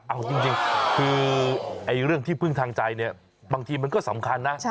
เอาจริงคือเรื่องที่พึ่งทางใจเนี่ยบางทีมันก็สำคัญนะ